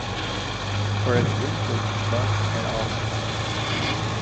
For example, Buss "et al.